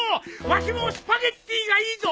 わしもスパゲティがいいぞ。